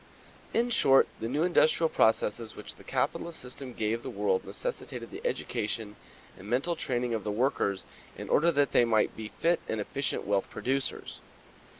In short, the new industrial processes which the capitalist system gave the world necessitated the education and mental training of the workers in order that they might be fit and efficient wealth producers.